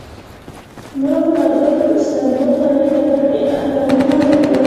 نورو ملګرو په استانبول هوایي ډګر کې احرامونه وتړل.